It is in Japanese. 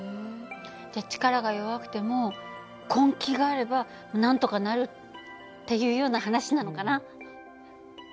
じゃ力が弱くても根気があればなんとかなるっていうような話なのかな。